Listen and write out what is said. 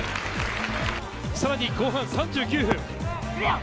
さらに後半３９分。